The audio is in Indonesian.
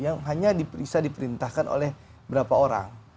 yang diperintahkan oleh berapa orang